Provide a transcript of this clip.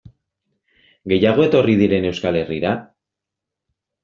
Gehiago etorri diren Euskal Herrira?